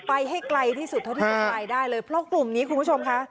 ใกล้ที่สุดเท่าที่สุดใกล้ได้เลยเพราะกลุ่มนี้คุณผู้ชมค่ะ